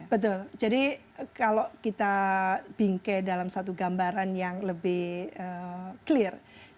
betul jadi kalau kita bingkai dalam satu gambaran yang lebih clear